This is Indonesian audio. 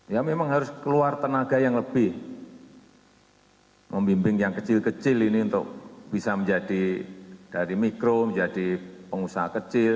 ya memang harus keluar tenaga yang lebih membimbing yang kecil kecil ini untuk bisa menjadi dari mikro menjadi pengusaha kecil